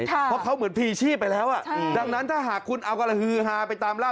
ใช่เพราะเขาเหมือนพรีชี้ไปแล้วอ่ะใช่ดังนั้นถ้าหากคุณเอากระหือหาไปตามล่า